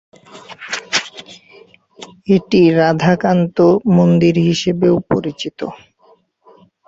এটি রাধাকান্ত মন্দির হিসেবে ও পরিচিত।